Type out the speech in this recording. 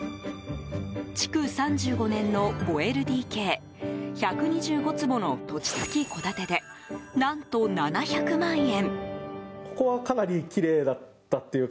築３５年の５ＬＤＫ１２５坪の土地付き戸建てで何と７００万円。